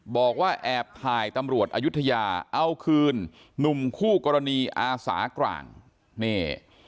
บอกว่าแอบถ่ายตำรวจอายุทยาเอาคืนหนุ่มคู่กรณีอาสากลางนี่